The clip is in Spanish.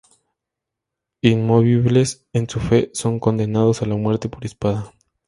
Inamovibles en su fe, son condenados a la muerte por espada.